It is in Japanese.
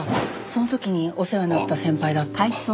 その時にお世話になった先輩だって。